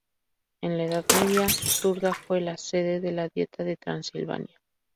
En la Edad Media, Turda fue la sede de la Dieta de Transilvania.